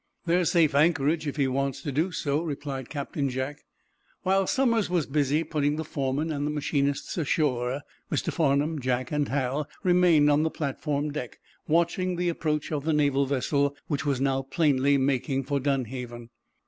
"There's safe anchorage, if he wants to do so," replied Captain Jack. While Somers was busy putting the foreman and the machinists ashore, Mr. Farnum, Jack and Hal remained on the platform deck, watching the approach of the naval vessel, which was now plainly making for Dunhaven.